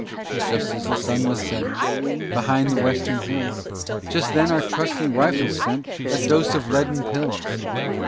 Just as the sun was setting Behind the western hills, Just then our trusty rifles sent A dose of leaden pills.